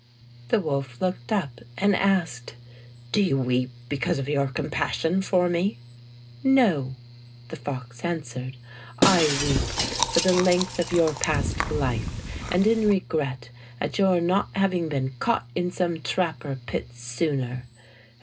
The wolf looked up and asked, "Do you weep because of your compassion for me.'^'' "No,'' the fox answered, "I weep for the length of your past life and in regret at your not having been caught in some trap or pit sooner.